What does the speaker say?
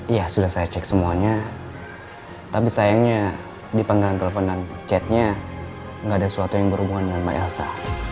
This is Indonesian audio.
iya sudah saya cek semuanya tapi sayangnya di pangeran telepon dan chatnya nggak ada sesuatu yang berhubungan dengan myelsa